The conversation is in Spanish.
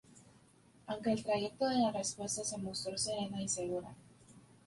Aunque en el trayecto de la respuesta se mostró serena y segura.